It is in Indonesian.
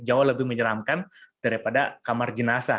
jauh lebih menyeramkan daripada kamar jenazah